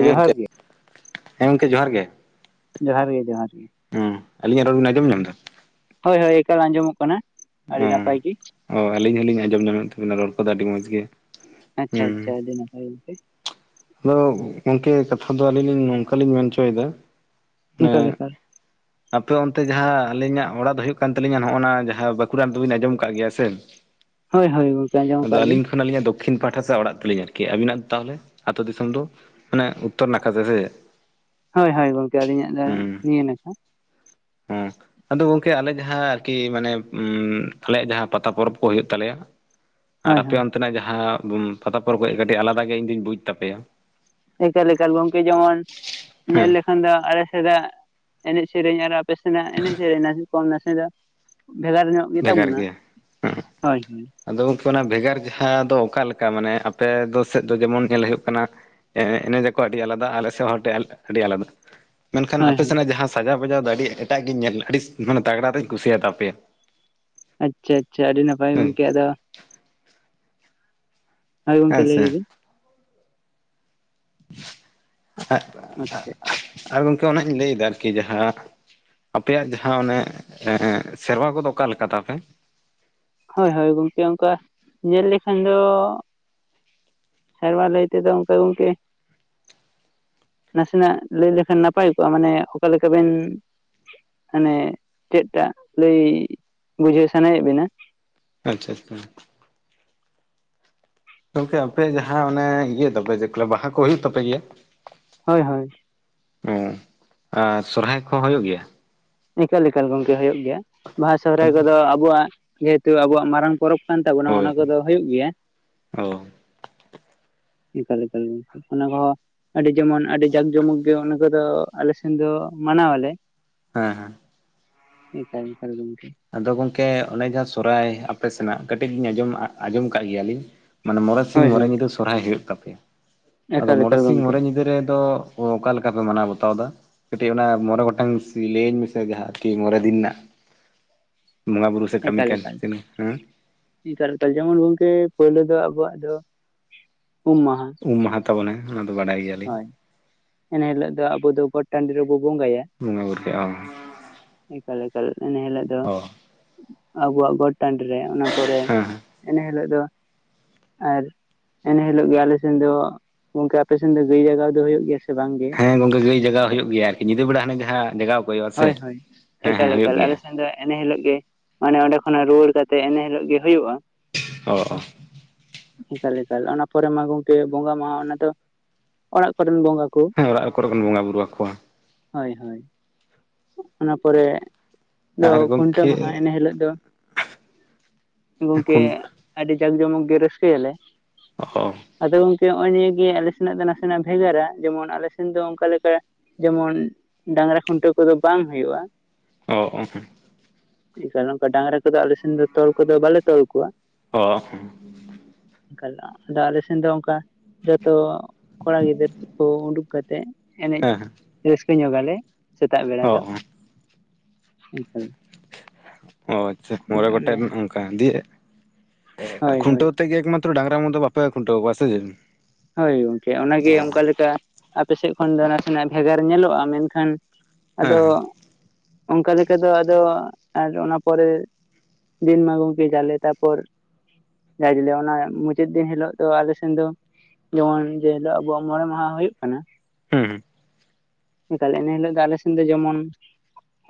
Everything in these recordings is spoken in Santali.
ᱦᱮᱸ ᱡᱚᱦᱟᱨ ᱜᱚᱝᱠᱮ ᱜᱮ ᱦᱮᱸ ᱜᱚᱢᱠᱮ ᱡᱚᱦᱟᱨ ᱜᱮ ᱡᱚᱦᱟᱨ ᱜᱮ ᱡᱚᱦᱟᱨ ᱜᱮ ᱦᱮᱸ ᱟᱞᱤᱧᱟᱜ ᱨᱚᱲ ᱵᱤᱱ ᱟᱸᱡᱚᱢ ᱧᱟᱢ ᱮᱫᱟ? ᱦᱳᱭ ᱦᱳᱭ ᱮᱠᱟᱞ ᱟᱸᱡᱚᱢᱚᱜ ᱠᱟᱱᱟ ᱾ ᱚ ᱚ ᱟᱹᱞᱤᱧ ᱦᱚᱞᱤᱧ ᱟᱸᱡᱚᱢ ᱧᱟᱢᱮᱫ ᱛᱟᱵᱤᱱᱟ ᱨᱚᱲ ᱠᱚᱫᱚ ᱟᱹᱰᱤ ᱢᱚᱸᱡᱽ ᱜᱮ ᱾ ᱟᱪᱪᱷᱟ, ᱟᱪᱪᱷᱟ ᱟᱹᱰᱤ ᱱᱟᱯᱟᱭ ᱜᱮ ᱾ ᱟᱫᱚ ᱜᱚᱝᱠᱮ ᱠᱟᱛᱷᱟ ᱫᱚ ᱟᱹᱞᱤᱧ ᱞᱤᱧ ᱱᱚᱝᱠᱟᱞᱤᱧ ᱢᱮᱱ ᱦᱚᱪᱚᱭᱮᱫᱟ ᱮᱠᱟᱞ ᱮᱠᱟᱞ ᱟᱯᱮ ᱚᱱᱛᱮ ᱡᱟᱦᱟᱸ ᱟᱹᱞᱤᱧᱟᱜ ᱚᱲᱟᱜ ᱫᱚ ᱦᱩᱭᱩᱜ ᱠᱟᱱ ᱛᱟᱹᱞᱤᱧᱟ ᱱᱚᱜᱚᱻ ᱱᱚᱣᱟ ᱡᱟᱦᱟᱸ ᱵᱟᱸᱠᱩ ᱲᱟᱱ ᱫᱚᱵᱤᱱ ᱟᱸᱡᱚᱢ ᱟᱠᱟᱫ ᱜᱮᱭᱟ ᱥᱮ? ᱦᱳᱭ ᱦᱳᱭ ᱜᱚᱢᱠᱮ ᱟᱸᱡᱚᱢ ᱟᱠᱟᱫ ᱟᱫᱚ ᱟᱞᱤᱧ ᱟᱹᱞᱤᱧ ᱾ ᱟᱹᱞᱤᱧᱟᱜ ᱫᱚᱠᱠᱷᱤᱱ ᱯᱟᱦᱴᱟ ᱥᱮᱫ ᱚᱲᱟᱜ ᱛᱟᱹᱞᱤᱧ ᱟᱨᱠᱤ ᱟᱹᱵᱤᱱᱟᱜ ᱛᱟᱦᱚᱞᱮ ᱟᱹᱛᱩ ᱫᱤᱥᱚᱢ ᱫᱚ? ᱢᱟᱱᱮ ᱩᱛᱛᱚᱨ ᱱᱟᱠᱷᱟ ᱥᱮᱫᱮᱫ? ᱦᱳᱭ ᱦᱳᱭ ᱜᱚᱝᱠᱮ ᱟᱹᱞᱤᱧᱟᱜ ᱫᱚ ᱱᱤᱭᱟᱹ ᱱᱟᱠᱷᱟ ᱾ ᱦᱮᱸ ᱟᱫᱚ ᱜᱚᱝᱠᱮ ᱟᱞᱮ ᱡᱟᱦᱟᱸ ᱟᱨᱠᱤ ᱢᱟᱱᱮ ᱟᱞᱮᱭᱟᱜ ᱡᱟᱦᱟᱸ ᱯᱟᱛᱟ ᱯᱚᱨᱚᱵᱽ ᱠᱚ ᱦᱩᱭᱩᱜ ᱛᱟᱞᱮᱭᱟ ᱟᱨ ᱦᱳᱭ ᱟᱯᱮ ᱦᱳᱭ ᱚᱱ ᱛᱮᱱᱟᱜ ᱡᱟᱦᱟᱸ ᱯᱟᱛᱟ ᱯᱚᱨᱚᱵᱽ ᱠᱚ ᱠᱟᱹᱴᱤᱡ ᱟᱞᱟᱫᱟ ᱜᱮ ᱤᱧ ᱫᱚ ᱵᱩᱡᱽ ᱛᱟᱯᱮᱭᱟ ᱾ ᱮᱠᱟᱞ ᱮᱠᱟᱞ ᱜᱚᱝᱠᱮ ᱡᱮᱢᱚᱱ ᱦᱮᱸ ᱧᱮᱞ ᱞᱮᱠ ᱟᱱ ᱫᱚ ᱟᱞᱮ ᱥᱮᱫᱟᱜ ᱮᱱᱮᱡ ᱥᱮᱨᱮᱧ ᱟᱨ ᱟᱯᱮ ᱥᱮᱱᱟᱜ ᱮᱱᱮᱡ ᱥᱮᱨᱮᱧ ᱱᱟᱥᱮ ᱠᱚᱢ ᱱᱟᱥᱮ ᱫᱚ ᱵᱷᱮᱜᱟᱨ ᱧᱚᱜ ᱜᱮᱛᱟ ᱵᱷᱮᱜᱟᱨ ᱵᱚᱱᱟ ᱜᱮᱭᱟ᱾ ᱦᱳᱭ ᱦᱳᱭ ᱟᱫᱚ ᱜᱚᱢᱠᱮ ᱵᱷᱮᱜᱟᱨ ᱡᱟᱦᱟᱸ ᱫᱚ ᱚᱠᱟ ᱞᱮᱠᱟ ᱢᱟᱱᱮ ᱟᱯᱮ ᱫᱚ ᱥᱮᱫ ᱫᱚ ᱡᱮᱢᱚᱱ ᱧᱮᱞ ᱦᱩᱭᱩᱜ ᱠᱟᱱᱟ ᱾ ᱮᱱᱮᱡ ᱟᱠᱚ ᱟᱹᱰᱤ ᱟᱞᱟᱫᱟ ᱟᱞᱮ ᱥᱮᱫ ᱦᱚᱲ ᱟᱹᱰᱤ ᱟᱞᱟᱫᱟ᱾ ᱢᱮᱱᱠᱷᱟᱱ ᱦᱳᱭ ᱟᱯᱮ ᱦᱳᱭ ᱥᱮᱱᱟᱜ ᱡᱟᱦᱟᱸ ᱥᱟᱡᱟᱣ ᱵᱟᱡᱟᱣ ᱫᱚ ᱟᱹᱰᱤ ᱮᱴᱟᱜ ᱜᱤᱧ ᱧᱮᱞ ᱟᱹᱰᱤ ᱢᱟᱱᱮ ᱛᱟᱜᱽᱲᱟ ᱛᱤᱧ ᱠᱩᱥᱤ ᱟᱛᱟᱯᱮᱭᱟ᱾ ᱟᱪᱪᱷᱟ ᱟᱪᱪᱷᱟ ᱟᱹᱰᱤ ᱱᱟᱯᱟᱭ ᱦᱮᱸ ᱜᱚᱝᱠᱮ ᱟᱫᱚ ᱦᱮᱸ ᱜᱚᱢᱠᱮ ᱦᱮᱸᱥᱮ ᱞᱟᱹᱭ ᱵᱤᱱ ᱟᱜ ᱟᱪᱪᱷᱟ᱾ ᱟᱨ ᱜᱚᱢᱠᱮ ᱚᱱᱟᱹᱧ ᱞᱟᱹᱭᱮᱫᱟ ᱟᱨᱠᱤ ᱡᱟᱦᱟᱸ ᱟᱯᱮᱭᱟᱜ ᱡᱟᱦᱟᱸ ᱚᱱᱮ ᱥᱮᱨᱣᱟ ᱠᱚᱫᱚ ᱚᱠᱟᱞᱮᱠᱟ ᱛᱟᱯᱮ? ᱦᱳᱭ ᱦᱳᱭ ᱜᱚᱝᱠᱮ ᱚᱱᱠᱟ ᱧᱮᱞ ᱞᱮᱠᱷᱟᱱ ᱫᱚ ᱥᱮᱨᱣᱟ ᱞᱟᱹᱭ ᱛᱮᱫᱚ ᱚᱱᱠᱟ ᱜᱚᱝᱠᱮ ᱱᱟᱥᱮᱱᱟᱜ ᱞᱟᱹᱭ ᱞᱮᱠᱷᱟᱱ ᱱᱟᱯᱟᱭ ᱠᱚᱜᱼᱟ ᱢᱟᱱᱮ ᱚᱠᱟ ᱞᱮᱠᱟ ᱵᱮᱱ ᱢᱟᱱᱮ ᱪᱮᱫᱠᱟᱜ ᱞᱟᱹᱭ ᱵᱩᱡᱷᱟᱹᱣ ᱥᱟᱱᱟᱭᱮᱫ ᱵᱮᱱᱟ ᱟᱪᱪᱷᱟ ᱟᱪᱪᱷᱟ᱾ ᱜᱚᱢᱠᱮ ᱟᱯᱮ ᱡᱟᱦᱟᱸ ᱚᱱᱮ ᱤᱭᱟᱹ ᱛᱟᱯᱮ ᱪᱮᱫ ᱠᱚ ᱞᱟᱹᱭᱟ ᱵᱟᱦᱟ ᱠᱚ ᱦᱩᱭᱩᱜ ᱛᱟᱯᱮ ᱜᱮᱭᱟ? ᱦᱳᱭ ᱦᱳᱭ᱾ ᱚ ᱟᱨ ᱥᱚᱨᱦᱟᱭ ᱠᱚᱦᱚᱸ ᱦᱳᱭᱳᱜ ᱜᱮᱭᱟ? ᱮᱠᱟᱞ ᱮᱠᱟᱞ ᱜᱚᱝᱠᱮ ᱦᱳᱭᱳᱜ ᱜᱮᱭᱟ ᱾ ᱵᱟᱦᱟ ᱥᱚᱦᱨᱟᱭ ᱠᱚᱫᱚ ᱟᱵᱚᱣᱟᱜ ᱡᱮᱦᱮᱛᱩ ᱟᱵᱚᱣᱟᱜ ᱢᱟᱨᱟᱝ ᱯᱚᱨᱚᱵᱽ ᱠᱟᱱ ᱛᱟᱵᱚᱱᱟ ᱦᱳᱭ ᱚᱱᱟ ᱠᱚᱫᱚ ᱦᱩᱭᱩᱜ ᱜᱮᱭᱟ ᱚ ᱮᱠᱟᱞ ᱮᱠᱟᱞ ᱚᱱᱟᱠᱚ ᱟᱹᱰᱤ ᱡᱮᱢᱚᱱ ᱟᱹᱰᱤ ᱡᱟᱠ ᱡᱚᱢᱚᱠ ᱜᱮ ᱚᱱᱟ ᱠᱚᱫᱚ ᱟᱞᱮ ᱥᱮᱱ ᱫᱚ ᱢᱟᱱᱟᱣ ᱟᱞᱮ ᱦᱟᱸ ᱦᱟᱸ ᱟᱹᱰᱤ ᱠᱷᱚᱢᱜᱮ ᱜᱚᱢᱠᱮ ᱟᱫᱚ ᱜᱚᱢᱠᱮ ᱚᱱᱮ ᱡᱟᱦᱟᱸ ᱥᱚᱨᱚᱦᱟᱭ ᱟᱯᱮ ᱥᱮᱱᱟᱜ ᱠᱟᱹᱴᱤᱡ ᱞᱤᱧ ᱟᱸᱡᱚᱢᱼᱟᱸᱡᱚᱢ ᱠᱟᱜ ᱜᱮᱭᱟᱞᱤᱧ ᱢᱟᱱᱮ ᱢᱚᱬᱮᱸ ᱥᱤᱧ ᱦᱳᱭ ᱢᱚᱬᱮᱸ ᱦᱳᱭ ᱧᱤᱫᱟᱹ ᱥᱚᱨᱦᱟᱭ ᱦᱩᱭᱩᱜ ᱛᱟᱯᱮᱭᱟ, ᱟᱫᱚ ᱮᱠᱟᱞ ᱢᱚᱬᱮ ᱮᱠᱟᱞ ᱥᱤᱧ ᱜᱚᱝᱠᱮ ᱢᱚᱬᱮ ᱧᱤᱫᱟᱹ ᱨᱮᱫᱚ ᱳ ᱚᱠᱟ ᱞᱮᱠᱟ ᱯᱮ ᱢᱟᱱᱟᱣ ᱵᱟᱛᱟᱣ ᱫᱟ, ᱠᱟᱹᱴᱤᱡ ᱚᱱᱟ ᱢᱚᱬᱮ ᱜᱚᱴᱟᱝ ᱞᱟᱹᱭᱟᱹᱧ ᱢᱮᱥᱮ ᱡᱟᱦᱟᱸ ᱠᱤ ᱢᱚᱬᱮ ᱫᱤᱱ ᱨᱮᱱᱟᱜ ᱵᱚᱸᱜᱟ ᱵᱩᱨᱩ ᱥᱮ ᱠᱟᱹᱢᱤ ᱮᱠᱟᱞ ᱠᱟᱡᱽ ᱮᱠᱟᱞ ᱛᱤᱱᱟᱹᱜ ᱦᱮᱸ ᱱᱮᱛᱟᱨ ᱱᱮᱛᱟᱨ ᱡᱮᱢᱚᱱ ᱜᱚᱝᱠᱮ ᱯᱳᱭᱞᱳ ᱫᱚ ᱟᱵᱚᱣᱟᱜ ᱫᱚ ᱩᱢ ᱢᱟᱦᱟ ᱩᱢ ᱢᱟᱦᱟ ᱛᱟᱵᱚᱱ ᱚᱱᱟ ᱫᱚ ᱵᱟᱰᱟᱭ ᱜᱮᱭᱟᱞᱤᱧ ᱾ ᱦᱳᱭ ᱮᱱ ᱦᱤᱞᱳᱜ ᱫᱚ ᱟᱵᱚ ᱫᱚ ᱜᱚᱴ ᱴᱟᱺᱰᱤ ᱨᱮᱵᱚ ᱵᱚᱸᱜᱟᱼᱭᱟ᱾ ᱵᱚᱸᱜᱟ ᱵᱩᱨᱩ ᱠᱮᱜᱼᱟ ᱵᱚᱱ [unintelligible] ᱮᱠᱟᱞ ᱮᱠᱟᱞ ᱤᱱᱟ ᱦᱤᱞᱳᱜ ᱫᱚ ᱚ ᱟᱵᱚᱣᱼᱟᱜ ᱜᱚᱴ ᱴᱟᱺᱰᱤ ᱨᱮ ᱚᱱᱟ ᱯᱚᱨᱮ ᱦᱮᱸ [unintelligible] ᱤᱱᱟᱹ ᱦᱤᱞᱳᱜ ᱫᱚ [unintelligible] ᱟᱨ ᱮᱱ ᱦᱤᱞᱳᱜ ᱜᱮ ᱟᱞᱮ ᱥᱮᱱ ᱫᱚ ᱜᱚᱝᱠᱮ ᱟᱯᱮ ᱥᱮᱱ ᱫᱚ ᱜᱟᱹᱭ ᱡᱟᱜᱟᱣ ᱫᱚ ᱦᱩᱭᱩᱜ ᱜᱮᱭᱟ ᱥᱮ ᱵᱟᱝ ᱜᱮ? ᱦᱮᱸ ᱜᱚᱝᱠᱮ ᱜᱟᱹᱭ ᱡᱟᱜᱟᱣ ᱦᱩᱭᱩᱜ ᱜᱮᱭᱟ ᱟᱨᱠᱤ ᱧᱤᱫᱟᱹ ᱵᱮᱲᱟ ᱦᱟᱱᱮ ᱡᱟᱦᱟᱸ ᱡᱟᱜᱟᱣ ᱠᱚ ᱦᱩᱭᱩᱜᱼᱟ ᱥᱮ ᱦᱳᱭ ᱦᱳᱭ, ᱦᱮᱸ ᱦᱮᱸ ᱮᱠᱟᱞ ᱦᱩᱭᱩᱜ ᱮᱠᱟᱞ ᱜᱮᱭᱟ ᱟᱞᱮ ᱥᱮᱱ ᱫᱚ ᱮᱱᱮ ᱦᱤᱞᱚᱜ ᱜᱮ ᱢᱟᱱᱮ ᱚᱸᱰᱮ ᱠᱷᱚᱱᱟᱜ ᱨᱩᱣᱟᱹᱲ ᱠᱟᱛᱮᱫ ᱮᱱᱮ ᱦᱤᱞᱚᱜ ᱜᱮ ᱦᱩᱭᱩᱜᱼᱟ᱾ [unintelligible] ᱮᱠᱟᱞ ᱮᱠᱟᱞ᱾ ᱚᱱᱟ ᱯᱚᱨᱮ ᱢᱟ ᱜᱚᱢᱠᱮ ᱵᱚᱸᱜᱟ ᱢᱟᱦᱟ ᱚᱱᱟ ᱫᱚ ᱚᱲᱟᱜ ᱠᱚᱨᱮᱱ ᱵᱚᱸᱜᱟ ᱠᱚ ᱦᱮᱸ ᱚᱲᱟᱜ ᱠᱚᱨᱮ ᱵᱚᱱ ᱵᱚᱸᱜᱟ ᱵᱩᱨᱩ ᱟᱠᱚᱣᱟ ᱦᱳᱭ ᱦᱳᱭ᱾ ᱚᱱᱟ ᱯᱚᱨᱮ ᱫᱚ ᱟᱨ ᱠᱷᱩᱱᱴᱟᱹᱣ ᱜᱚᱢᱠᱮ ᱢᱟᱦᱟ ᱮᱱᱮ ᱦᱤᱞᱳᱜ ᱫᱚ ᱜᱚᱝᱠᱮ ᱠᱷᱩᱱ ᱟᱹᱰᱤ ᱡᱟᱠ ᱡᱚᱢᱚᱠ ᱜᱮ ᱨᱟᱹᱥᱠᱟᱹᱼᱟᱞᱮ ᱚ ᱟᱫᱚ ᱜᱚᱝᱠᱮ ᱱᱚᱜᱼᱚᱭ ᱱᱤᱭᱟᱹ ᱜᱮ ᱟᱞᱮ ᱥᱮᱱᱟᱜ ᱫᱚ ᱱᱟᱥᱮᱱᱟᱜ ᱵᱷᱮᱜᱟᱨᱟ ᱡᱮᱢᱚᱱ ᱟᱞᱮ ᱥᱮᱱ ᱫᱚ ᱚᱱᱠᱟ ᱞᱮᱠᱟ ᱡᱮᱢᱚᱱ ᱰᱟᱝᱨᱟ ᱠᱷᱩᱱᱴᱟᱹᱣ ᱠᱚ ᱫᱚ ᱵᱟᱝ ᱦᱩᱭᱩᱜᱼᱟ᱾ [unintelligible] [unintelligible] ᱮᱱᱠᱷᱟᱱ ᱚᱱᱠᱟ ᱰᱟᱝᱨᱟ ᱠᱚ ᱫᱚ ᱟᱞᱮ ᱥᱮᱱ ᱫᱚ ᱛᱚᱞ ᱠᱚ ᱫᱚ ᱵᱟᱞᱮ ᱛᱚᱞ ᱠᱚᱣᱟ᱾ ᱚ [unintelligible] ᱮᱠᱟᱞ ᱟᱫᱚ ᱟᱞᱮ ᱥᱮᱱ ᱫᱚ ᱚᱱᱠᱟ ᱡᱷᱚᱛᱚ ᱠᱚᱲᱟ ᱜᱤᱫᱟᱹᱨ ᱠᱚ [unintelligible] ᱩᱰᱩᱠ ᱠᱟᱛᱮᱫ ᱮᱱᱮᱡ ᱦᱮᱸ ᱨᱟᱹᱥᱠᱟᱹ ᱧᱚᱜᱽ ᱟᱞᱮ᱾ ᱥᱮᱛᱟᱜ ᱵᱮᱲᱟ ᱚ ᱫᱚ [unintelligible] ᱮᱠᱟᱞ᱾ [unintelligible] ᱟᱪᱪᱷᱟ ᱢᱚᱬᱮ ᱜᱚᱴᱮᱱ ᱚᱱᱠᱟ ᱫᱤᱭᱮ ᱦᱳᱭ ᱦᱳᱭ ᱠᱷᱩᱱᱴᱟᱹᱣ [unintelligible] ᱰᱟᱝᱨᱟ [unintelligible] ᱫᱚ ᱵᱟᱯᱮ ᱠᱷᱩᱱᱴᱟᱹᱣ ᱠᱚᱣᱟ ᱥᱮ ᱪᱮᱫ? ᱦᱳᱭ ᱜᱚᱝᱠᱮ ᱚᱱᱟ ᱜᱮ ᱚ ᱚᱱᱠᱟ ᱞᱮᱠᱟ ᱟᱯᱮ ᱥᱮᱫ ᱠᱷᱚᱱ ᱫᱚ ᱱᱟᱥᱮᱱᱟᱜ ᱵᱷᱮᱜᱟᱨ ᱧᱮᱞᱚᱜᱼᱟ ᱢᱮᱱ ᱠᱷᱟᱱ ᱟᱫᱚ ᱦᱮᱸ ᱚᱱᱠᱟ ᱞᱮᱠᱟ ᱫᱚ ᱟᱫᱚ ᱟᱨ ᱚᱱᱟ ᱯᱚᱨᱮ ᱫᱤᱱ ᱢᱟ ᱜᱚᱢᱠᱤ ᱡᱟᱞᱮ ᱛᱟᱨ ᱯᱚᱨ [unintelligible] [unintelligible] ᱚᱱᱟ ᱢᱩᱪᱟᱹᱫ ᱫᱤᱱ ᱦᱤᱞᱳᱜ ᱫᱚ ᱟᱞᱮ ᱥᱮᱱ ᱫᱚ ᱡᱮᱢᱚᱱ ᱡᱮ ᱦᱤᱞᱳᱜ ᱟᱵᱚᱣᱟᱜ ᱢᱚᱲᱮ ᱢᱟᱦᱟ ᱠᱟᱱᱟ ᱦᱮᱸ ᱦᱮᱸ᱾ ᱮᱠᱟᱞ ᱮᱱᱮ ᱦᱤᱞᱳᱜ ᱫᱚ ᱟᱞᱮ ᱥᱮᱱ ᱫᱚ ᱡᱮᱢᱚᱱ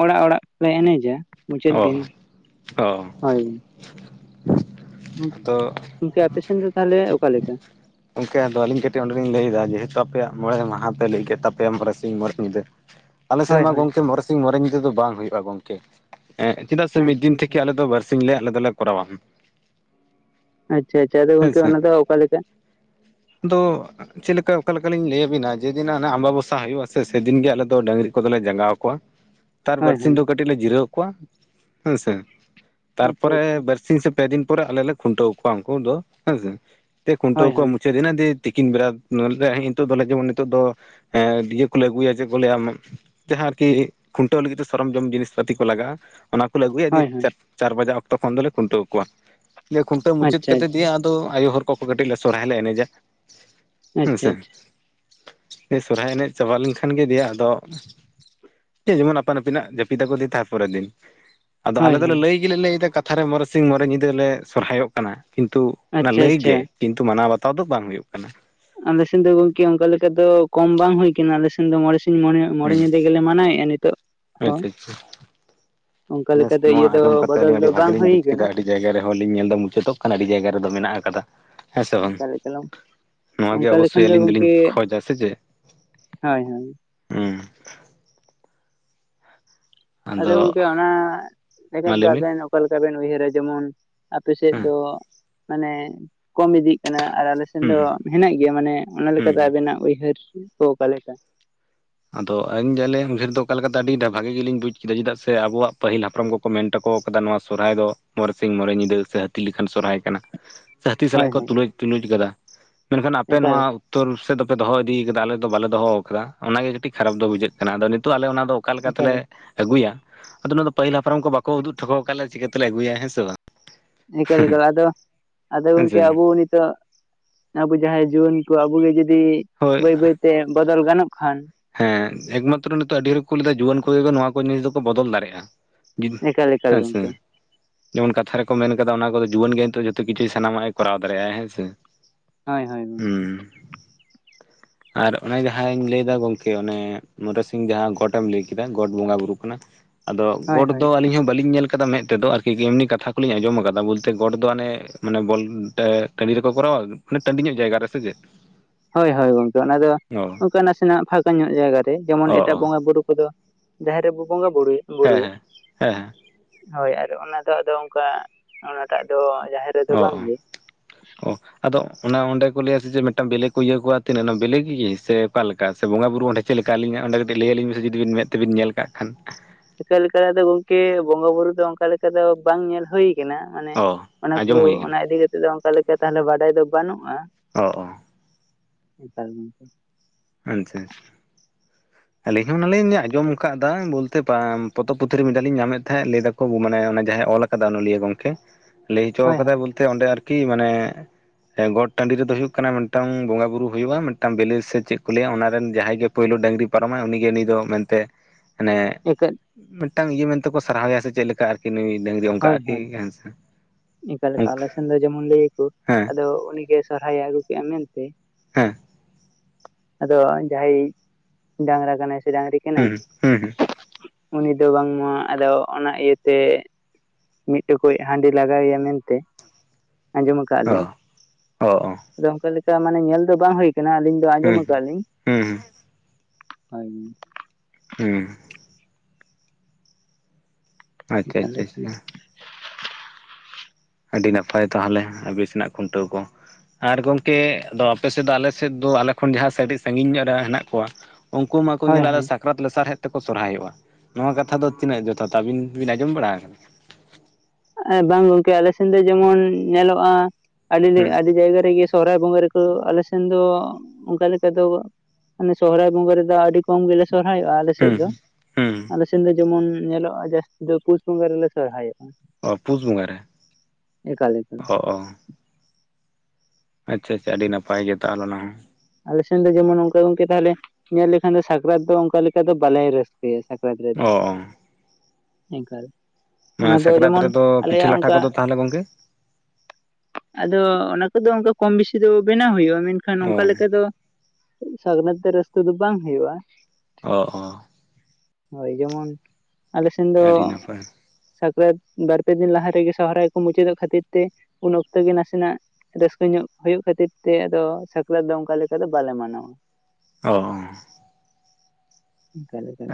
ᱚᱲᱟᱜ ᱚᱲᱟᱜ ᱞᱮ ᱮᱱᱮᱡᱟ ᱢᱩᱪᱟᱹᱫ ᱫᱤᱱ [unintelligible] [unintelligible] ᱦᱳᱭ᱾ ᱟᱫᱚ ᱜᱚᱝᱠᱮ ᱟᱯᱮ ᱥᱮᱱ ᱫᱚ ᱛᱟᱦᱚᱞᱮ ᱚᱠᱟ ᱞᱮᱠᱟ? ᱜᱚᱱᱠᱮ ᱟᱫᱚ ᱟᱞᱤᱧ ᱠᱟᱹᱴᱤᱡ ᱚᱸᱰᱮ ᱞᱤᱧ ᱞᱟᱹᱭ ᱮᱫᱟ ᱡᱮᱦᱮᱛᱩ ᱟᱯᱮᱭᱟᱜ ᱢᱚᱬᱮ ᱢᱟᱦᱟ ᱯᱮ ᱞᱟᱹᱭ ᱠᱮᱫ ᱛᱟᱯᱮᱭᱟ ᱢᱚᱬᱮ ᱥᱤᱧ ᱢᱚᱲᱮ ᱧᱤᱫᱟᱹ [unintelligible] ᱟᱞᱮᱥᱮᱫ ᱦᱳᱭ ᱢᱟ ᱦᱳᱭ ᱜᱚᱝᱠᱮ ᱢᱚᱲᱮ ᱥᱤᱧ ᱢᱚᱲᱮ ᱧᱤᱫᱟᱹ ᱫᱚ ᱵᱟᱝ ᱦᱩᱭᱩᱜᱼᱟ ᱜᱚᱝᱠᱮ [unintelligible] ᱪᱮᱫᱟᱜ ᱥᱮ ᱢᱤᱫ ᱟᱪᱪᱷᱟ ᱫᱤᱱ ᱟᱪᱪᱷᱟ ᱛᱷᱮᱠᱮ ᱟᱞᱮ ᱫᱚ ᱵᱟᱨ [unintelligible] ᱵᱟᱨᱥᱤᱧ ᱞᱮ ᱟᱞᱮ ᱫᱚᱞᱮ ᱠᱚᱨᱟᱣᱟ᱾ ᱟᱪᱪᱷᱟ ᱟᱪᱪᱷᱟ ᱜᱚᱝᱠᱮ ᱚᱱᱟ ᱫᱚ ᱚᱠᱟ ᱞᱮᱠᱟ? ᱟᱫᱚ ᱪᱮᱫ ᱞᱮᱠᱟ ᱚᱠᱟ ᱞᱮᱠᱟ ᱞᱤᱧ ᱞᱟᱹᱭ ᱟᱵᱤᱱᱟ ᱡᱮᱫᱤᱱ ᱡᱟᱸᱜᱟ ᱟᱢᱵᱟᱵᱟᱹᱥᱭᱟᱹ ᱦᱩᱭᱩᱜᱼᱟ ᱥᱮ ᱥᱮᱹ ᱫᱤᱱ ᱜᱮ ᱟᱞᱮ ᱫᱚ ᱰᱟᱹᱝᱨᱤ ᱠᱚ ᱫᱚ‌ᱞᱮ ᱡᱟᱜᱟᱣ ᱠᱚᱣᱟ᱾ [unintelligible] ᱛᱟᱨ ᱦᱳᱭ ᱵᱟᱨᱥᱤᱧ ᱦᱳᱭ ᱫᱚ ᱠᱟᱹᱴᱤᱡ ᱞᱮ ᱡᱤᱨᱟᱹᱣ ᱟᱠᱚᱣᱟ ᱦᱮᱸᱥᱮ ᱟᱪᱪᱷᱟ ᱛᱟᱨᱯᱚᱨᱮ ᱟᱪᱪᱷᱟ ᱵᱟᱨᱥᱤᱧ ᱥᱮ ᱯᱮ ᱫᱤᱱ ᱯᱚᱨᱮ ᱟᱞᱮ ᱞᱮ ᱠᱷᱩᱱᱴᱟᱹᱣ ᱠᱚᱣᱟ ᱩᱱᱠᱩ ᱫᱚ ᱦᱮᱸᱥᱮ ᱠᱷᱩᱱᱴᱟᱹᱣ ᱦᱳᱭ ᱠᱚ [unintelligible] ᱦᱳᱭ [unintelligible] ᱫᱤᱱᱟᱹᱢ ᱫᱤᱱ ᱛᱤᱠᱤᱱ ᱵᱮᱲᱟ ᱦᱤᱸᱜᱤ ᱱᱤᱛᱚᱜ ᱫᱚᱞᱮ ᱡᱮᱢᱚᱱ ᱱᱤᱛᱚᱜ ᱫᱚ ᱫᱤᱭᱮ ᱠᱚᱞᱮ ᱟᱹᱜᱩᱭᱼᱟ ᱡᱮ ᱪᱮᱫ ᱠᱚ ᱞᱟᱹᱭ-ᱟ ᱡᱟᱦᱟᱸ ᱟᱨ ᱠᱤ ᱠᱷᱩᱱᱴᱟᱹᱣ ᱞᱟᱹᱜᱤᱫ ᱛᱮ ᱥᱚᱨᱚᱢ ᱡᱚᱢ ᱡᱤᱱᱤᱥ ᱯᱟᱛᱤ ᱞᱟᱜᱟᱜᱼᱟ ᱚᱱᱟ ᱠᱚ ᱞᱮ ᱟᱹᱜᱩᱭᱼᱟ ᱦᱳᱭ ᱦᱳᱭ [unintelligible] ᱪᱟᱨ ᱵᱟᱡᱟᱜ ᱚᱠᱛᱚ ᱠᱷᱚᱱ ᱫᱚ ᱞᱮ ᱠᱷᱩᱱᱴᱟᱹᱣ ᱠᱚᱣᱟ᱾ [unintelligible] ᱠᱷᱩᱱᱴᱟᱹᱣ ᱢᱩᱪᱟᱹᱫ ᱟᱪᱪᱷᱟ ᱠᱟᱛᱮ ᱟᱪᱪᱷᱟ ᱫᱤᱭᱮ ᱟᱫᱚ ᱟᱭᱳ ᱦᱚᱲ ᱠᱚ ᱠᱚ ᱠᱟᱹᱴᱤᱡ ᱥᱚᱨᱦᱟᱭ ᱞᱮ ᱮᱱᱮᱡᱟ᱾ ᱦᱮᱸ ᱟᱪᱪᱷᱟ ᱥᱮ ᱟᱪᱪᱷᱟ ᱾ [unintelligible] ᱥᱚᱨᱦᱟᱭ ᱮᱱᱮᱡ ᱪᱟᱵᱟ ᱞᱮᱱᱠᱷᱟᱱ ᱜᱮ ᱫᱤᱭᱮ ᱟᱫᱚ ᱡᱮᱢᱚᱱ ᱟᱯᱟᱱ ᱟᱯᱤᱱᱟᱜ ᱡᱟᱹᱯᱤᱫ ᱟᱠᱚ ᱫᱤᱭᱮ ᱛᱟᱨᱯᱚᱨᱮᱨ ᱫᱤᱱ ᱟᱫᱚ ᱟᱞᱮ ᱦᱳᱭ ᱫᱚᱞᱮ ᱦᱳᱭ ᱞᱟᱹᱭ ᱞᱟᱹᱭ ᱜᱮᱞᱮ ᱞᱟᱹᱭ ᱮᱫᱟ ᱠᱟᱛᱷᱟ ᱨᱮ ᱢᱚᱸᱬᱮ ᱥᱤᱧ ᱢᱚᱸᱬᱮ ᱧᱤᱫᱟᱹ ᱞᱮ ᱥᱚᱨᱦᱟᱭᱚᱜ ᱠᱟᱱᱟ ᱠᱤᱱᱛᱩ ᱚᱱᱟ ᱟᱪᱪᱷᱟ ᱞᱟᱹᱭ ᱟᱪᱪᱷᱟ ᱜᱮ᱾ ᱠᱤᱱᱛᱩ ᱢᱟᱱᱟᱣ ᱵᱟᱛᱟᱣ ᱫᱚ ᱵᱟᱝ ᱦᱳᱭᱳᱜ ᱠᱟᱱᱟ᱾ ᱟᱞᱮ ᱥᱮᱱ ᱫᱚ ᱜᱚᱝᱠᱮ ᱚᱝᱠᱟ ᱞᱮᱠᱟ ᱫᱚ ᱠᱚᱢ ᱵᱟᱝ ᱦᱩᱭ ᱠᱟᱱᱟ ᱟᱞᱮ ᱥᱮᱱ ᱫᱚ ᱢᱚᱸᱬᱮ ᱥᱤᱧ ᱢᱚᱸᱬᱮ ᱧᱤᱫᱟᱹ ᱦᱩᱸ ᱜᱮᱞᱮ ᱢᱟᱱᱟᱣ ᱮᱜᱼᱟ ᱱᱤᱛᱳᱜ ᱟᱪᱪᱷᱟ ᱟᱪᱪᱷᱟ [unintelligible] ᱚᱝᱠᱟ ᱞᱮᱠᱟ ᱱᱮᱥ ᱫᱚ ᱤᱭᱟᱹ ᱱᱚᱣᱟ ᱫᱚ ᱟᱸᱡᱚᱢ ᱠᱟᱛᱮ ᱵᱚᱫᱚᱞ ᱟᱹᱞᱤᱧ ᱫᱚ ᱟᱹᱰᱤ ᱵᱷᱟᱜᱮ ᱵᱟᱝ ᱞᱤᱧ ᱦᱩᱭ ᱵᱩᱡᱽ ᱠᱟᱱᱟ? ᱠᱮᱫᱟ ᱟᱹᱰᱤ ᱡᱟᱭᱜᱟ ᱨᱮ ᱦᱚᱸ ᱞᱤᱧ ᱧᱮᱞ ᱫᱟ ᱢᱩᱪᱟᱹᱫᱚᱜ ᱠᱟᱱᱟ ᱟᱹᱰᱤ ᱡᱟᱭᱜᱟ ᱨᱮ ᱫᱚ ᱢᱮᱱᱟᱜ ᱟᱠᱟᱫᱟ ᱦᱮᱸ ᱥᱮ ᱵᱟᱝ ᱮᱠᱟᱞ ᱮᱠᱟᱞ ᱱᱚᱣᱟ ᱜᱮ ᱚᱱᱠᱟ ᱞᱮᱠᱷᱟᱱ ᱚᱵᱚᱥᱳᱭ ᱟᱹᱞᱤᱧ ᱫᱚ ᱞᱤᱧ ᱜᱚᱝᱠᱮ ᱠᱷᱚᱡᱟ ᱥᱮ ᱪᱮᱫ? ᱦᱳᱭ ᱦᱳᱭ [unintelligible] ᱟᱫᱚ ᱜᱚᱝᱠᱮ ᱚᱱᱟ ᱡᱟᱭᱜᱟ ᱢᱟ ᱨᱮ ᱫᱚ ᱞᱟᱹᱭ ᱵᱤᱱ ᱟᱵᱮᱱ ᱚᱠᱟ ᱞᱮᱠᱟ ᱵᱮᱱ ᱩᱭᱦᱟᱹᱨᱟ ᱡᱮᱢᱚᱱ ᱟᱯᱮ ᱥᱮᱫ ᱦᱮᱸ ᱫᱚ ᱢᱟᱱᱮ ᱠᱚᱢ ᱤᱫᱤᱜ [unintelligible] ᱟᱞᱮ ᱥᱮᱱ ᱦᱩᱸ ᱫᱚ ᱦᱩᱸ ᱦᱮᱱᱟᱜ ᱜᱮᱭᱟ ᱚᱱᱟ ᱢᱟᱱᱮ ᱚᱱᱟ ᱦᱩᱸ ᱞᱮᱠᱟᱛᱮ ᱦᱩᱸ ᱟᱵᱮᱱᱟᱜ ᱩᱭᱦᱟᱹᱨ ᱚᱠᱟ ᱞᱮᱠᱟ? ᱟᱫᱚ ᱟᱹᱧ ᱡᱟᱸᱦᱟ [unintelligible] ᱚᱠᱟ ᱞᱮᱠᱟᱛᱮ ᱟᱹᱰᱤ ᱵᱷᱟᱹᱜᱤ ᱜᱮ ᱞᱤᱧ ᱵᱩᱡ ᱠᱮᱫᱟ ᱪᱮᱫᱟᱜ ᱥᱮ ᱟᱵᱚᱣᱟᱜ ᱯᱟᱹᱦᱤᱞ ᱦᱟᱯᱲᱟᱢ ᱠᱚ ᱠᱚ ᱢᱮᱱ [unintelligible] ᱠᱟᱫᱟ ᱱᱚᱣᱟ ᱥᱚᱨᱦᱟᱭ ᱫᱚ ᱢᱚᱸᱬᱮ ᱥᱤᱧ ᱢᱚᱸᱬᱮ ᱧᱤᱫᱟᱹ ᱥᱮ ᱦᱟᱹᱛᱤ ᱞᱮᱠᱟᱱ ᱥᱚᱨᱦᱟᱭ ᱠᱟᱱᱟ᱾ ᱦᱟᱹᱛᱤ ᱥᱟᱞᱟᱜ ᱦᱳᱭ ᱠᱚ ᱦᱳᱭ ᱛᱩᱞᱩᱡ ᱛᱩᱞᱩᱡ ᱟᱠᱟᱫᱟ ᱢᱮᱱᱠᱷᱟᱱ ᱟᱯᱮ ᱮᱠᱟᱞ ᱱᱚᱣᱟ [unintelligible] ᱥᱮᱫ ᱫᱚᱯᱮ ᱫᱚᱦᱚ ᱤᱫᱤ ᱠᱟᱫᱟ ᱟᱞᱮ ᱫᱚ ᱵᱟᱞᱮ ᱫᱚᱦᱚ ᱟᱠᱟᱫᱟ ᱚᱱᱟᱜᱮ ᱠᱟᱹᱴᱤᱡ ᱠᱷᱟᱨᱟᱯ ᱫᱚ ᱵᱩᱡᱷᱟᱹᱜ ᱠᱟᱱᱟ ᱱᱤᱛᱚᱜ ᱟᱞᱮ ᱚᱱᱟ ᱫᱚ ᱚᱠᱟ ᱞᱮᱠᱟ ᱮᱠᱟᱞ ᱛᱮᱞᱮ ᱟᱹᱜᱩᱭᱼᱟ ᱟᱫᱚ ᱱᱚᱣᱟ ᱫᱚ ᱯᱟᱹᱦᱤᱞ ᱦᱟᱯᱲᱟᱢ ᱠᱚ ᱵᱟᱠᱚ ᱩᱫᱩᱜ [unintelligible] ᱟᱠᱟᱫ ᱞᱮ ᱪᱤᱠᱟᱹ ᱛᱮᱞᱮ ᱟᱹᱜᱩᱭᱼᱟ ᱦᱮᱸᱥᱮ ᱵᱟᱝ [unintelligible] ᱟᱫᱚ ᱟᱫᱚ ᱜᱚᱝᱠᱮ ᱦᱮᱸᱥᱮ ᱟᱵᱚ ᱱᱤᱛᱚᱜ ᱟᱵᱚ ᱡᱟᱦᱟᱸᱭ ᱡᱩᱣᱟᱹᱱ ᱠᱚ ᱟᱵᱩ ᱜᱮ ᱡᱩᱫᱤ ᱦᱳᱭ ᱵᱟᱹᱭ ᱵᱟᱹᱭ ᱛᱮ ᱵᱚᱫᱚᱞ ᱜᱟᱱᱚᱜ ᱠᱷᱟᱱ ᱦᱮᱸ ᱮᱠ ᱢᱟᱛᱨᱚ ᱱᱤᱛᱚᱜ ᱟᱹᱰᱤ ᱦᱚᱲ ᱜᱮᱠᱚ ᱞᱟᱹᱭ ᱮᱫᱟ ᱡᱩᱣᱟᱹᱱ ᱠᱚᱜᱮ ᱱᱚᱣᱟ ᱠᱚ ᱡᱤᱱᱤᱥ ᱫᱚᱠᱚ ᱵᱚᱫᱚᱞ ᱫᱟᱲᱮᱭᱟᱜᱼᱟ᱾ ᱮᱠᱟᱞ ᱮᱠᱟᱞ ᱦᱮᱸ ᱥᱮ ᱜᱚᱝᱠᱮ ᱡᱮᱢᱚᱱ ᱠᱟᱛᱷᱟ‌ ᱨᱮ ᱠᱚ ᱢᱮᱱ ᱠᱟᱫᱟ ᱚᱱᱟ ᱠᱚᱫᱚ ᱡᱩᱣᱟᱹᱱ ᱜᱮ ᱱᱤᱛᱳᱜ ᱡᱚᱛᱚ ᱠᱤᱪᱷᱩ ᱥᱟᱱᱟᱢᱟᱜ ᱜᱮ ᱠᱚᱨᱟᱣ ᱫᱟᱲᱮᱭᱟᱜᱼᱟ ᱦᱮᱸ ᱥᱮ ᱦᱳᱭ ᱦᱳᱭ ᱜᱚᱝᱠᱮ ᱦᱩᱸ ᱟᱨ ᱚᱱᱮ ᱡᱟᱦᱟᱸᱧ ᱞᱟᱹᱭ ᱫᱟ ᱜᱚᱝᱠᱮ ᱠᱮ ᱚᱱᱮ ᱢᱚᱸᱬᱮ ᱥᱤᱧ ᱡᱟᱸᱦᱟ ᱜᱚᱴ ᱮᱢ ᱞᱟᱹᱭ ᱠᱮᱫᱟ ᱜᱚᱴ ᱵᱚᱸᱜᱟ ᱵᱩᱨᱩ ᱠᱟᱱᱟ ᱟᱫᱚ ᱦᱳᱭ ᱜᱚᱴ ᱦᱳᱭ ᱫᱚ ᱟᱹᱞᱤᱧ ᱦᱚᱸ ᱵᱟᱹᱞᱤᱧ ᱧᱮᱞ ᱟᱠᱟᱫᱟ ᱢᱮᱫ ᱛᱮᱫᱚ ᱟᱨᱠᱤ ᱮᱢᱱᱤ ᱠᱟᱛᱷᱟ ᱠᱚ ᱞᱤᱧ ᱟᱸᱡᱚᱢ ᱟᱠᱟᱫᱟ ᱵᱚᱞᱛᱮ ᱜᱚᱴ ᱫᱚ ᱦᱟᱱᱮ [unintelligible] ᱨᱮᱠᱚ ᱠᱚᱨᱟᱣᱟ ᱢᱟᱱᱮ ᱴᱟᱺᱰᱤ ᱧᱚᱸᱜ ᱡᱟᱭᱜᱟ ᱨᱮᱥᱮ ᱪᱮᱫ? ᱦᱳᱭ ᱦᱳᱭ ᱜᱚᱝᱠᱮ ᱚᱱᱟ ᱫᱚ ᱚ ᱚᱱᱠᱟ ᱱᱟᱥᱮᱱᱟᱜ ᱯᱷᱟᱸᱠᱟ ᱧᱚᱸᱜ ᱡᱟᱭᱜᱟ ᱨᱮ ᱡᱮᱢᱚᱱ ᱚ ᱮᱴᱟᱜ ᱚ ᱵᱚᱸᱜᱟ ᱵᱩᱨᱩ ᱠᱚᱫᱚ ᱡᱟᱦᱮᱨ ᱨᱮᱵᱚ ᱵᱚᱸᱜᱟ ᱦᱮᱸ ᱵᱩᱨᱩᱭᱼᱟ ᱦᱮᱸ ᱦᱮᱸ ᱦᱮᱸ ᱦᱳᱭ ᱟᱫᱚ ᱚᱱᱟ ᱫᱚ ᱟᱫᱚ ᱚᱱᱠᱟ ᱚᱱᱟ ᱴᱟᱜ ᱫᱚ ᱡᱟᱦᱮᱨ ᱨᱮᱫᱚ ᱚ ᱵᱟᱝᱜᱮ ᱚ ᱟᱫᱚ ᱚᱱᱟ ᱚᱸᱰᱮ ᱠᱚ ᱞᱟᱹᱭ-ᱟ ᱡᱮ ᱢᱤᱫ ᱴᱟᱝ ᱵᱮᱞᱮ ᱠᱚ ᱤᱭᱟᱹ ᱟᱠᱚᱣᱟ ᱛᱤᱱᱟᱹᱜ ᱵᱮᱞᱮ ᱜᱮ ᱥᱮ ᱚᱠᱟ ᱞᱮᱠᱟ? [unintelligible] ᱥᱮ ᱵᱚᱸᱜᱟ ᱵᱩᱨᱩ ᱚᱸᱰᱮ ᱪᱮᱫ ᱞᱮᱠᱟ ᱟᱹᱞᱤᱧ ᱚᱰᱮ ᱠᱟᱹᱴᱤᱡ ᱞᱟᱹᱭ ᱟᱞᱤᱧ ᱢᱮ ᱥᱮ ᱡᱩᱫᱤ ᱢᱮᱫ ᱛᱮ ᱵᱤᱱ ᱧᱮᱞ ᱟᱠᱟᱜ ᱠᱷᱟᱱ [unintelligible] ᱞᱮᱠᱟ ᱜᱚᱝᱠᱮ ᱵᱚᱸᱜᱟ ᱵᱩᱨᱩ ᱫᱚ ᱚᱝᱠᱟ ᱞᱮᱠᱟ ᱫᱚ ᱵᱟᱝ ᱧᱮᱞ ᱦᱳᱭ ᱠᱟᱱᱟ ᱢᱟᱱᱮ ᱚ ᱚᱱᱟ ᱠᱩ ᱟᱸᱡᱚᱢ ᱦᱩᱭ ᱠᱟᱱᱟ ᱚᱱᱟ ᱤᱫᱤ ᱠᱟᱛᱮᱜ ᱫᱚ ᱚᱝᱠᱟ ᱞᱮᱠᱟ ᱛᱟᱦᱞᱮ ᱵᱟᱰᱟᱭ ᱫᱚ ᱵᱟᱹᱱᱩᱜᱼᱟ ᱚ ᱚ [unintelligible] [unintelligible] ᱟᱞᱤᱧ ᱦᱚᱸ ᱚᱱᱟᱞᱤᱧ ᱟᱸᱡᱚᱢ ᱟᱠᱟᱫᱟ ᱵᱚᱞ ᱛᱮ ᱯᱚᱛᱚᱵ ᱯᱩᱛᱷᱤ ᱨᱮ ᱢᱤᱫ ᱴᱟᱝ ᱞᱤᱧ ᱧᱟᱢᱮᱫ ᱛᱟᱦᱮᱸᱫ ᱞᱟᱹᱭ ᱮᱫᱟᱠᱚ ᱢᱟᱱᱮ ᱡᱟᱦᱟᱸᱭ ᱚᱞ ᱠᱟᱫᱟ ᱚᱱᱚᱞᱤᱭᱟᱹ ᱜᱚᱝᱠᱮ ᱞᱟᱹᱭ ᱦᱚᱪᱚ ᱦᱳᱭ ᱠᱟᱫᱟᱭ ᱦᱳᱭ ᱵᱚᱞᱛᱮ ᱚᱸᱰᱮ ᱟᱨᱠᱤ ᱢᱟᱱᱮ ᱦᱮᱸ ᱜᱚᱴ ᱴᱟᱺᱰᱤ ᱨᱮᱫᱚᱳ ᱦᱩᱭᱩᱜ ᱠᱟᱱᱟ ᱢᱤᱫᱴᱟᱝ ᱵᱚᱸᱜᱟ ᱵᱩᱨᱩᱳ ᱦᱩᱭᱩᱜᱳᱜ ᱢᱤᱫᱴᱟᱝ ᱵᱮᱞᱮ ᱥᱮ ᱪᱮᱫ ᱠᱩᱞᱭᱟ ᱚᱱᱟᱨᱮ ᱨᱮᱱ ᱡᱟᱦᱟᱸᱭ ᱜᱮ ᱯᱳᱭᱞᱳ ᱰᱟᱝᱨᱤ ᱯᱟᱨᱚᱢᱟᱭ ᱩᱱᱤᱜᱮ ᱩᱱᱤ ᱫᱚ ᱢᱮᱱᱛᱮ ᱢᱟᱱᱮ ᱮᱠᱟᱞ ᱢᱤᱫᱴᱟᱝ ᱤᱭᱟᱹ ᱢᱮᱱᱛᱮᱠᱚ ᱥᱟᱨᱦᱟᱣᱮᱭᱟ ᱥᱮ ᱪᱮᱫ ᱞᱮᱠᱟ ᱟᱨᱠᱤ ᱱᱩᱭ ᱰᱝᱨᱤ ᱚᱱᱠᱟ ᱟᱨᱠᱤ ᱦᱮᱸᱥᱮ ᱤᱱᱠᱟ ᱞᱮᱠᱟ ᱟᱞᱮ ᱥᱮᱱ ᱫᱚ ᱡᱮᱢᱚᱱ ᱞᱟᱹᱭᱟ ᱠᱚ ᱦᱮᱸ ᱟᱫᱚ ᱩᱱᱤᱜᱮ ᱥᱚᱨᱦᱟᱭᱮ ᱟᱹᱜᱩ ᱠᱮᱫᱮᱜᱼᱟ ᱢᱮᱱᱛᱮ ᱦᱮᱸ ᱟᱫᱚ ᱡᱟᱦᱟᱸᱭ ᱰᱟᱝᱨᱟ ᱠᱟᱱᱟᱭ ᱥᱮ ᱰᱟᱝᱨᱤ ᱠᱟᱱᱟᱭ ᱦᱩᱸ ᱦᱩᱸ ᱦᱩᱸ ᱩᱱᱤ ᱫᱚ ᱵᱟᱝᱢᱟ ᱟᱫᱚ ᱚᱱᱟ ᱤᱭᱟᱹ ᱛᱮ ᱢᱤᱫ ᱴᱩᱠᱩᱡ ᱦᱟᱺᱰᱤ [inaudible] ᱢᱮᱱᱛᱮ ᱟᱸᱡᱚᱢ ᱚ ᱟᱠᱟᱜᱟᱞᱤᱧ ᱚ ᱚ ᱟᱫᱚ ᱚᱝᱠᱟ ᱞᱮᱠᱟ ᱢᱟᱱᱮ ᱧᱮᱞ ᱫᱚ ᱵᱟᱝ ᱦᱳᱭ ᱠᱟᱱᱟ ᱟᱞᱤᱧ ᱫᱚ ᱟᱸᱡᱚᱢ ᱦᱩᱸ ᱦᱩᱸ ᱟᱠᱟᱜ ᱟᱞᱤᱧ ᱦᱩᱸ [unintelligible] ᱦᱩᱸ ᱟᱪᱪᱷᱟ ᱟᱪᱷᱟ ᱟᱪᱪᱷᱟ ᱟᱹᱰᱤ ᱱᱟᱯᱟᱭ ᱛᱟᱦᱚᱞᱮ ᱟᱵᱤᱥᱱᱟᱜ ᱠᱷᱩᱱᱴᱟᱹᱣ ᱠᱚ ᱟᱨ ᱜᱚᱝᱠᱮ ᱫᱚ ᱟᱯᱮ ᱥᱮᱫ ᱫᱚ ᱟᱞᱮ ᱥᱮᱫ ᱫᱚ ᱟᱞᱮ ᱠᱷᱚᱱ ᱡᱟᱦᱟᱸ ᱠᱟᱴᱤᱡ ᱥᱟᱹᱜᱤᱧ ᱧᱚᱜ ᱨᱮ ᱦᱮᱱᱟᱜ ᱠᱚᱣᱟ ᱩᱱᱠᱩ ᱢᱟᱠᱚ ᱦᱳᱭ ᱧᱮᱞᱟ [unintelligible] ᱥᱟ ᱥᱟᱠᱨᱟᱛ ᱞᱮᱥᱟᱨᱦᱮᱫ ᱛᱮᱠᱚ ᱥᱚᱨᱦᱟᱭᱚᱜᱼᱟ ᱱᱚᱣᱟ ᱠᱟᱛᱷᱟ ᱫᱚ ᱛᱤᱱᱟᱹᱜ ᱡᱚᱛᱷᱟᱛ ᱟ ᱟᱹᱵᱤᱱ ᱵᱤᱱ ᱟᱸᱡᱚᱢ ᱵᱟᱲᱟ ᱟᱠᱟᱱᱟ ᱵᱟᱝ ᱜᱚᱝᱠᱮ ᱟᱞᱮ ᱥᱮᱱ ᱫᱚ ᱡᱮᱢᱚᱱ ᱧᱮᱞᱚᱜᱼᱟ ᱟᱹᱰᱤ ᱦᱮᱸ ᱟᱹᱰᱤ ᱡᱟᱭᱜᱟ ᱨᱮᱜᱮ ᱥᱚᱦᱨᱟᱭ ᱵᱚᱸᱜᱟ ᱨᱮᱠᱚ ᱟᱞᱮ ᱥᱮᱱ ᱫᱚ ᱚᱱᱠᱟ ᱞᱮᱠᱟ ᱫᱚ ᱢᱟᱱᱮ ᱥᱚᱦᱨᱟᱭ ᱵᱚᱸᱜᱟ ᱨᱮᱫᱚ ᱟᱹᱰᱤ ᱠᱚᱢ ᱜᱮᱞᱮ ᱥᱚᱦᱨᱟᱭᱚᱜᱼᱟ ᱟᱞᱮ ᱥᱮᱫ ᱦᱮᱸ ᱫᱚ ᱦᱮᱸ ᱥᱮᱱ ᱫᱚ ᱡᱮᱢᱚᱱ ᱧᱮᱞᱚᱜᱼᱟ ᱡᱟᱹᱥᱛᱤ ᱫᱚ ᱯᱩᱥ ᱵᱚᱸᱜᱟ ᱨᱮᱞᱮ ᱥᱚᱨᱦᱟᱭᱚᱜᱼᱟ ᱚ ᱯᱩᱥ ᱵᱚᱸᱜᱟ ᱨᱮ ᱮᱠᱟᱞ ᱮᱠᱟᱞ ᱚ ᱚ ᱟᱪᱪᱷᱟ ᱟᱪᱪᱷᱟ ᱟᱹᱰᱤ ᱱᱟᱯᱟᱭ ᱜᱮ ᱛᱟᱦᱚᱞᱮ ᱚᱱᱟ ᱦᱚᱸ ᱟᱞᱮᱥᱱ ᱫᱚ ᱡᱮᱢᱚᱱ ᱚᱱᱠᱟ ᱜᱚᱝᱠᱮ ᱛᱟᱦᱚᱞᱮ ᱧᱮᱞ ᱞᱮᱠᱷᱟᱱ ᱫᱚ ᱥᱟᱠᱨᱟᱛ ᱫᱚ ᱚᱱᱠᱟ ᱞᱮᱠᱟ ᱫᱚ ᱵᱟᱞᱮ ᱨᱟᱹᱥᱠᱟᱹ ᱥᱟᱠᱨᱟᱛ ᱨᱮ ᱫᱚ ᱚ ᱚ ᱮᱠᱟᱞ ᱥᱟᱠᱨᱟᱛ ᱨᱮᱫᱚ ᱯᱤᱴᱷᱟᱹ ᱞᱟᱴᱷᱟ ᱠᱚᱫᱚ ᱛᱟᱦᱚᱞᱮ ᱜᱚᱝᱠᱮ ᱟᱫᱚ ᱚᱱᱟ ᱠᱚᱫᱚ ᱚᱱᱠᱟ ᱠᱚᱢ ᱵᱮᱥᱤ ᱫᱚ ᱵᱮᱱᱟᱣ ᱦᱩᱭᱩᱜᱼᱟ ᱢᱮᱱᱠᱷᱟᱱ ᱚ ᱚᱱᱠᱟ ᱞᱮᱠᱟ ᱫᱚ ᱥᱟᱜᱟᱨᱟᱛ ᱛᱮ ᱨᱟᱹᱥᱠᱟᱹ ᱫᱚ ᱵᱟᱝ ᱦᱩᱭᱩᱜᱼᱟ ᱚ ᱚ ᱦᱳᱭ ᱡᱮᱢᱚᱱ ᱟᱞᱮ ᱥᱮᱱ ᱫᱚ ᱟᱹᱰᱤ ᱱᱟᱯᱟᱭ ᱥᱟᱠᱨᱟᱛ ᱵᱟᱨ ᱯᱮ ᱫᱤᱱ ᱞᱟᱦᱟ ᱨᱮᱜᱮ ᱥᱚᱦᱚᱨᱟᱭ ᱠᱚ ᱢᱩᱪᱟᱹᱫᱚᱜ ᱠᱷᱟᱹᱛᱤᱨ ᱛᱮ ᱩᱱ ᱚᱠᱛᱚ ᱜᱮ ᱱᱟᱥᱮᱱᱟᱜ ᱨᱟᱹᱥᱠᱟᱹ ᱧᱚᱜ ᱦᱩᱭᱩᱜ ᱠᱷᱟᱹᱛᱤᱨ ᱛᱮ ᱟᱫᱚ ᱥᱟᱠᱨᱟᱛ ᱫᱚ ᱚᱱᱠᱟ ᱞᱮᱠᱟ ᱫᱚ ᱵᱟᱞᱮ ᱢᱟᱱᱟᱣᱟ ᱚ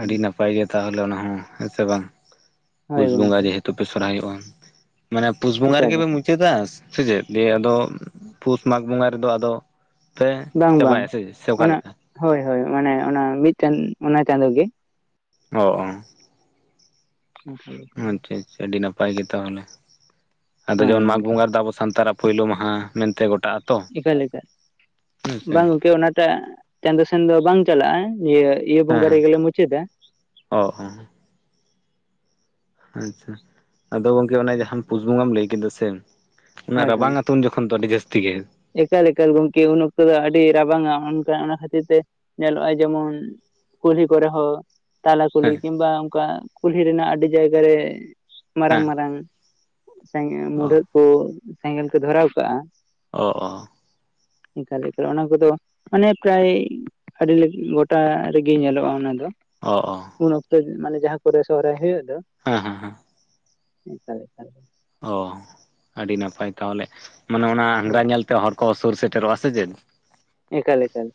ᱟᱹᱰᱤ ᱱᱟᱯᱟᱭ ᱜᱮ ᱛᱟᱦᱚᱞᱮ ᱚᱱᱟ ᱦᱚᱸ ᱦᱮᱸᱥᱮ ᱵᱟᱝ ᱦᱳᱭ ᱯᱩᱥ ᱵᱚᱸᱜᱟ ᱜᱚᱝᱠᱮ ᱡᱮᱦᱮᱛᱩ ᱛᱚᱯᱮ ᱥᱚᱦᱨᱟᱭᱚᱜᱼᱟ ᱢᱟᱱᱮ ᱯᱩᱥ ᱵᱚᱸᱜᱟ ᱮᱠᱟᱞ ᱨᱮᱜᱮ ᱯᱮ ᱮᱠᱟᱞ ᱢᱩᱪᱟᱹᱫᱟ ᱥᱮ ᱪᱮᱫ ᱫᱤᱭᱮ ᱟᱫᱚ ᱯᱩᱥ ᱢᱟᱜᱽ ᱵᱚᱸᱜᱟ ᱨᱮᱫᱚ ᱟᱫᱚ ᱯᱮ ᱵᱟᱝ ᱵᱟᱝ ᱪᱟᱵᱟᱭᱟ ᱥᱮ ᱥᱮ ᱚᱱᱟ ᱚᱠᱟᱞᱮᱠᱟ ᱦᱳᱭ ᱦᱳᱭ ᱢᱟᱱᱮ ᱚᱱᱟ ᱢᱤᱫᱴᱟᱱ ᱚᱱᱟ ᱪᱟᱸᱫ ᱜᱮ ᱚ ᱚ [unintelligible] ᱟᱪᱪᱷᱟ ᱟᱹᱰᱤ ᱱᱟᱯᱟᱭ ᱜᱮ ᱛᱟᱦᱚᱞᱮ ᱟᱫᱚ ᱦᱳᱭ ᱡᱮᱢᱚᱱ ᱢᱟᱜᱽ ᱜᱚᱝᱠᱮ ᱵᱚᱸᱜᱟ ᱨᱮᱫᱚ ᱟᱵᱚ ᱥᱟᱱᱛᱟᱲᱟᱜ ᱯᱩᱭᱞᱳ ᱢᱟᱦᱟ ᱢᱮᱱᱛᱮ ᱜᱚᱴᱟ ᱮᱠᱟᱞ ᱞᱮᱠᱟ ᱵᱟᱝ ᱜᱚᱝᱠᱮ ᱚᱱᱟᱴᱟᱜ ᱪᱟᱸᱫᱚᱳ ᱥᱮᱱ ᱫᱚ ᱵᱟᱝ ᱪᱟᱞᱟᱜᱼᱟ ᱱᱤᱭᱟᱹ ᱤᱭᱟᱹ ᱵᱚᱸᱜᱟ ᱦᱮᱸ ᱨᱮᱜᱮᱞᱮ ᱢᱩᱪᱟᱹ ᱫᱟ ᱚ ᱚ ᱟᱪᱪᱷᱟ ᱟᱫᱚ ᱜᱚᱝᱠᱮ ᱚᱱᱮ ᱡᱟᱦᱟᱸ ᱯᱩᱥ ᱵᱚᱸᱜᱟᱢ ᱞᱟᱹᱭᱠᱟ ᱥᱮ ᱚᱱᱟ ᱦᱳᱭ ᱦᱳᱭ ᱨᱟᱵᱟᱝ ᱛᱩᱱ ᱡᱚᱠᱷᱚᱱ ᱫᱚ ᱟᱹᱰᱤ ᱡᱟᱹᱥᱛᱤ ᱜᱮ ᱮᱠᱟᱞ ᱮᱠᱟᱞ ᱜᱚᱢᱠᱮ ᱩᱱ ᱚᱠᱛᱚ ᱫᱚ ᱟᱹᱰᱤ ᱨᱟᱵᱟᱝ-ᱟ ᱚᱱᱠᱟ ᱚᱱᱟ ᱠᱷᱟᱹᱛᱤᱨ ᱛᱮ ᱧᱮᱞᱚᱜᱼᱟ ᱡᱮᱢᱚᱱ ᱠᱩᱞᱦᱤ ᱠᱚᱨᱮ ᱦᱚ ᱛᱟᱞᱟ ᱠᱩᱞᱦᱤ ᱦᱮᱸ ᱠᱤᱱᱵᱟ ᱚᱱᱠᱟ ᱠᱩᱞᱦᱤ ᱨᱮᱱᱟᱜ ᱟᱹᱰᱤ ᱡᱟᱭᱜᱟ ᱨᱮ ᱢᱟᱨᱟᱝ ᱦᱮᱸ ᱢᱟᱨᱟᱝ ᱚ ᱢᱩᱵᱷᱟᱹᱫ ᱠᱩ ᱥᱮᱸᱜᱮᱞ ᱠᱚ ᱫᱷᱚᱨᱟᱣ ᱠᱟᱜ-ᱟ᱾ ᱚ ᱚ᱾ ᱮᱠᱟᱞ ᱮᱠᱟᱞ ᱚᱱᱟ ᱠᱚᱫᱚ ᱢᱟᱱᱮ ᱯᱨᱟᱭ ᱟᱹᱰᱤ ᱜᱚᱴᱟ ᱨᱮᱜᱮ ᱧᱮᱞᱚᱜᱼᱟ ᱚᱱᱟ ᱫᱚ ᱚ ᱚ ᱩᱱ ᱚᱠᱛᱚ ᱢᱟᱱᱮ ᱡᱟᱦᱟᱸ ᱠᱚᱨᱮ ᱥᱚᱦᱨᱟᱭ ᱦᱩᱭᱩᱜ ᱫᱚ ᱦᱮᱸ ᱦᱮᱸ ᱦᱮᱸ᱾ [unintelligible] ᱚ ᱟᱹᱰᱤ ᱱᱟᱯᱟᱭ ᱛᱟᱦᱚᱞᱮ ᱢᱟᱱᱮ ᱚᱱᱟ ᱟᱝᱜᱽᱨᱟ ᱦᱳᱭ ᱧᱮᱞ ᱛᱮ ᱦᱚᱲ ᱠᱚ ᱥᱩᱨ ᱥᱮᱴᱮᱨᱚᱜ ᱟᱥᱮ ᱪᱮᱫ? ᱮᱠᱟᱞ ᱮᱠᱟᱞ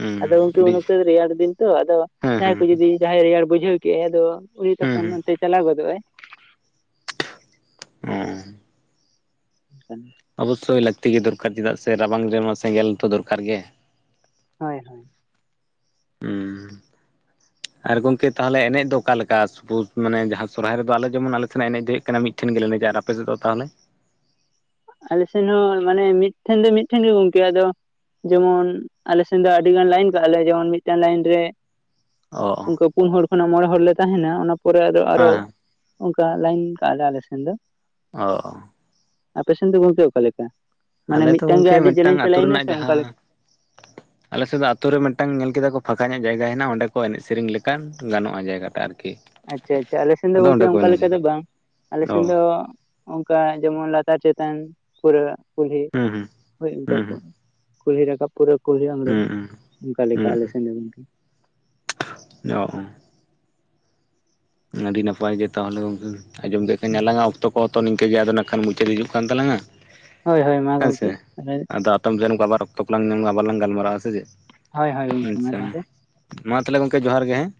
ᱦᱩᱸ ᱟᱫᱚ ᱜᱚᱢᱠᱮ ᱟᱹᱰᱤ ᱩᱱ ᱚᱠᱛᱚ ᱫᱚ ᱨᱮᱭᱟᱲ ᱫᱤᱱ ᱛᱚ ᱟᱫᱚ ᱦᱮᱸ ᱡᱟᱸᱦᱟᱭ ᱠᱚ ᱦᱮᱸ ᱡᱚᱫᱤ ᱡᱟᱦᱟᱸᱭ ᱨᱮᱭᱟᱲ ᱵᱩᱡᱷᱟᱹᱣ ᱠᱮᱫᱼᱟᱭ ᱟᱫᱚ ᱩᱱᱤ ᱦᱩᱸ ᱛᱚᱠᱷᱚᱱ ᱦᱩᱸ ᱚᱱᱛᱮ ᱪᱟᱞᱟᱣ ᱜᱚᱫᱚᱜᱼᱟᱭ᱾ ᱦᱮᱸ [unintelligible] ᱚᱵᱚᱥᱥᱳᱭ ᱞᱟᱹᱠᱛᱤ ᱜᱮ ᱫᱚᱨᱠᱟᱨ ᱪᱮᱫᱟᱜ ᱥᱮ ᱨᱟᱵᱟᱝ ᱨᱮᱢᱟ ᱥᱮᱸᱜᱮᱞ ᱛᱚ ᱫᱚᱨᱠᱟᱨ ᱜᱮ ᱦᱳᱭ ᱦᱳᱭ᱾ ᱦᱩᱸ᱾ ᱟᱨ ᱜᱚᱝᱠᱮ ᱛᱟᱦᱚᱞᱮ ᱮᱱᱮᱡ ᱫᱚ ᱚᱠᱟᱞᱮᱠᱟ [unintelligible] ᱢᱟᱱᱮ ᱡᱟᱦᱟᱸ ᱥᱚᱨᱦᱟᱭ ᱨᱮᱫᱚ ᱟᱞᱮ ᱡᱮᱢᱚᱱ ᱟᱞᱮ ᱥᱮᱱᱟᱜ ᱮᱱᱮᱡ ᱫᱚ ᱦᱩᱭᱩᱜ ᱠᱟᱱᱟ ᱢᱤᱫ [unintelligible] ᱴᱷᱮᱱ ᱜᱮᱞᱮ ᱮᱱᱮᱡᱟ ᱟᱨ ᱟᱯᱮ ᱥᱮᱫ ᱫᱚ ᱛᱟᱦᱞᱮ ᱟᱞᱮᱥᱮᱱ ᱦᱚᱸ ᱢᱟᱱᱮ ᱢᱤᱫᱴᱷᱮᱱ ᱫᱚ ᱢᱤᱫᱴᱷᱮᱱ ᱜᱮ ᱜᱚᱝᱠᱮ ᱟᱫᱚ ᱡᱮᱢᱚᱱ ᱟᱞᱮᱥᱮᱱ ᱫᱚ ᱟᱹᱰᱤ ᱜᱟᱱ ᱞᱟᱭᱤᱱ ᱠᱟᱜ-ᱟ ᱞᱮ ᱡᱮᱢᱚᱱ ᱢᱤᱫᱴᱟᱝ ᱞᱟᱭᱤᱱ ᱨᱮ ᱚᱻ ᱚᱱᱠᱟ ᱯᱩᱱ ᱦᱚᱲ ᱠᱷᱚᱱᱟᱜ ᱢᱚᱬᱮ ᱦᱚᱲ ᱞᱮ ᱛᱟᱦᱮᱱᱟ ᱚᱱᱟ ᱯᱚᱨᱮ ᱟᱨᱚ ᱦᱮᱸ ᱦᱮᱸ ᱚᱝᱠᱟ ᱞᱟᱭᱤᱱ ᱠᱟᱜ-ᱟᱞᱮ ᱟᱞᱮ ᱥᱮᱱ ᱫᱚ᱾ ᱚ ᱟᱯᱮᱥᱮᱱ ᱫᱚ ᱜᱚᱝᱠᱮ ᱚᱠᱟ ᱞᱮᱠᱟ ᱢᱟᱱᱮ ᱟᱞᱮ ᱫᱚ ᱢᱤᱫᱴᱟᱝ ᱜᱮ ᱜᱚᱝᱠᱮ ᱟᱹᱰᱤ ᱢᱤᱫᱴᱟᱝ ᱡᱮᱞᱮᱧ ᱯᱮ ᱞᱟᱭᱤᱱᱟ ᱥᱮ ᱚᱱᱠᱟ ᱞᱮᱠᱟ [inaudible] ᱟᱞᱮᱥᱮᱫ ᱫᱚ ᱟᱛᱩᱨ ᱨᱮ ᱢᱤᱫᱴᱟᱝ ᱧᱮᱞ ᱠᱮᱫᱟ ᱠᱚ ᱯᱷᱟᱸᱠᱟ ᱧᱟᱜ ᱡᱟᱭᱜᱟ ᱦᱮᱱᱟᱜᱼᱟ ᱚᱸᱰᱮ ᱠᱚ ᱮᱱᱮᱡ ᱥᱮᱨᱮᱧ ᱞᱮᱠᱟᱱ ᱜᱟᱱᱚᱜᱼᱟ ᱡᱟᱭᱜᱟ ᱴᱟ ᱟᱨᱠᱤ ᱟᱪᱪᱷᱟ ᱟᱪᱪᱷᱟ ᱟᱞᱮ ᱥᱮᱱ ᱫᱚ ᱟᱫᱚ ᱜᱚᱝᱠᱮ ᱚᱸᱰᱮ ᱠᱚ ᱚᱱᱠᱟ ᱞᱮᱠᱟ ᱮᱱᱮᱡᱟ ᱫᱚ ᱵᱟᱝ ᱟᱞᱮ ᱚ ᱥᱮᱱ ᱫᱚ ᱚᱝᱠᱟ ᱡᱮᱢᱚᱱ ᱞᱟᱛᱟᱨ ᱪᱮᱛᱟᱱ ᱯᱩᱨᱟᱹ ᱠᱩᱞᱦᱤ ᱦᱩᱸ ᱦᱩᱸ ᱦᱳᱭ ᱚᱝᱠᱟ ᱠᱚ ᱦᱩᱸ ᱠᱩᱞᱦᱤ ᱨᱟᱠᱟᱵ ᱯᱩᱨᱟᱹ ᱠᱩᱞᱦᱤ ᱟᱬᱜᱚ ᱦᱩᱸ ᱚᱱᱠᱟ ᱞᱮᱠᱟ ᱟᱞᱮ ᱥᱮᱱ ᱫᱚ ᱜᱚᱝᱠᱮ᱾ ᱚᱻᱚᱻᱚ ᱟᱹᱰᱤ ᱱᱟᱯᱟᱭ ᱜᱮ ᱛᱟᱦᱞᱮ ᱜᱚᱝᱠᱮ ᱟᱸᱡᱚᱢ [unintelligible] ᱟᱞᱟᱝᱟᱜ ᱚᱠᱛᱚ ᱠᱚ ᱛᱚ ᱱᱤᱝᱠᱟᱹ ᱜᱮ ᱟᱫᱚ ᱱᱟᱜᱠᱷᱟᱱ ᱢᱩᱪᱟᱹᱫ ᱦᱤᱡᱩᱜ ᱠᱟᱱ ᱛᱟᱞᱟᱝᱟ ᱦᱳᱭ ᱦᱳᱭ ᱢᱟ ᱦᱮᱸᱥᱮ, ᱜᱚᱝᱠᱮ ᱦᱳᱭ ᱟᱫᱚ [unintelligible] ᱚᱠᱛᱚ ᱠᱚ ᱞᱟᱝ ᱞᱮᱠᱷᱟᱱ ᱟᱵᱟᱨ ᱞᱟᱝ ᱜᱟᱞᱢᱟᱨᱟᱣᱟ ᱥᱮ ᱪᱮᱫ? ᱦᱳᱭ ᱜᱚᱝᱠᱮ ᱟᱪᱪᱷᱟ ᱢᱟ᱾ ᱛᱟᱦᱚᱞᱮ ᱛᱟᱞᱦᱮ ᱜᱚᱝᱠᱮ ᱡᱚᱦᱟᱨ ᱜᱮ ᱦᱮᱸ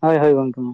ᱦᱳᱭ ᱦᱳᱭ ᱜᱚᱝᱠᱮ ᱢᱟ᱾